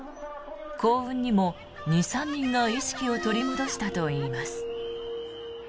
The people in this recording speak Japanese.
幸運にも２３人が意識を取り戻したといいます。